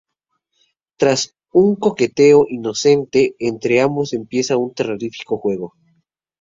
Tras un coqueteo inocente entre ambos empieza un terrorífico juego.